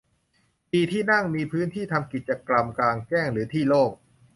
มีที่นั่ง มีพื้นที่ทำกิจกรรมกลางแจ้งหรือที่โล่ง